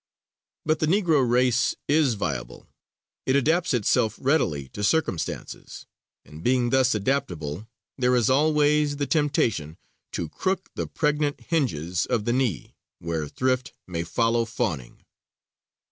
But the Negro race is viable; it adapts itself readily to circumstances; and being thus adaptable, there is always the temptation to "Crook the pregnant hinges of the knee, Where thrift may follow fawning."